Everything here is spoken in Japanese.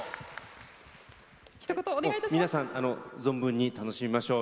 皆さん、存分に楽しみましょう。